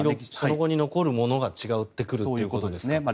その後に残るものが違ってくるということですね。